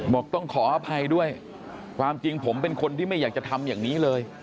บอกต้องขออภัยด้วยความจริงผมเป็นคนที่ไม่อยากจะทำอย่างนี้เลย